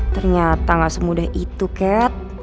ternyata gak semudah itu cat